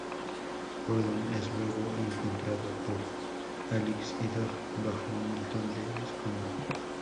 Gordon es luego encontrado por Alyx y Dog bajo un montón de escombro.